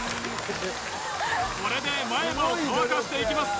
これで前歯を乾かしていきます